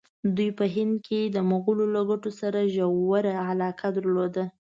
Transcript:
دوی په هند کې د مغولو له ګټو سره ژوره علاقه درلوده.